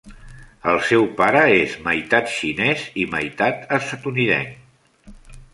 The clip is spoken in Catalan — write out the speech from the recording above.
El seu pare és meitat xinès i meitat estatunidenc.